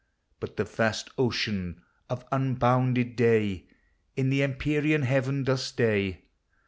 But the vast ocean of unbounded day. In the empyrean heaven docs stay.